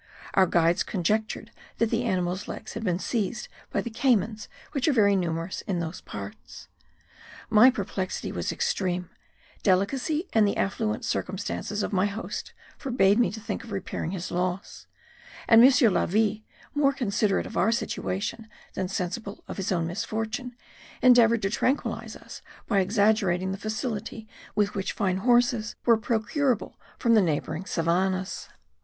Our guides conjectured that the animal's legs had been seized by the caymans which are very numerous in those parts. My perplexity was extreme: delicacy and the affluent circumstances of my host forbade me to think of repairing his loss; and M. Lavie, more considerate of our situation than sensible of his own misfortune, endeavoured to tranquillize us by exaggerating the facility with which fine horses were procurable from the neighbouring savannahs.